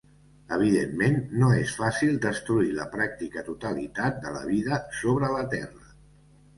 Evidentment, no és fàcil destruir la pràctica totalitat de la vida sobre la Terra.